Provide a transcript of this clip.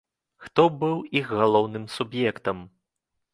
Хто быў іх галоўным суб'ектам?